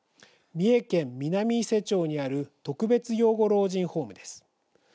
三重県南伊勢町にある特別養護老人ホームです。